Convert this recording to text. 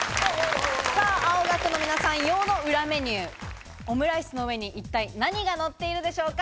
青学の皆さん用の裏メニュー、オムライスの上に一体何がのっているでしょうか？